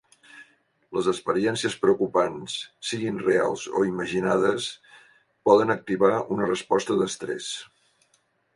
Les experiències preocupants, siguin reals o imaginades, poden activar una resposta d'estrès.